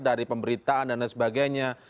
dari pemberitaan dan sebagainya